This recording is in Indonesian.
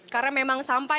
karena memang sampai